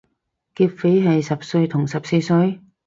劫匪係十歲同十四歲？